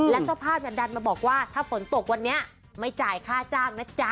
แล้วเจ้าภาพดันมาบอกว่าถ้าฝนตกวันนี้ไม่จ่ายค่าจ้างนะจ๊ะ